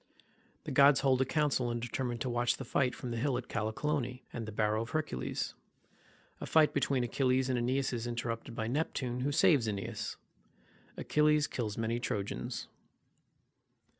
The gods hold a council and determine to watch the fight, from the hill Callicolone, and the barrow of Hercules—A fight between Achilles and AEneas is interrupted by Neptune, who saves AEneas—Achilles kills many Trojans.